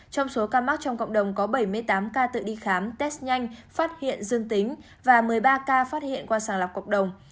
trong số ca mắc trong cộng đồng có bảy mươi tám ca tự đi khám test nhanh phát hiện dương tính và một mươi ba ca phát hiện qua sàng lọc cộng đồng